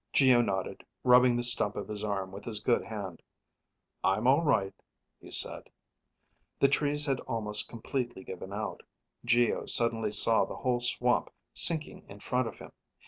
Geo nodded, rubbing the stump of his arm with his good hand. "I'm all right," he said. The trees had almost completely given out. Geo suddenly saw the whole swamp sinking in front of him.